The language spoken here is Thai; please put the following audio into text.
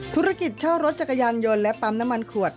ธุรกิจเช่ารถจักรยานยนต์และปั๊มน้ำมันขวด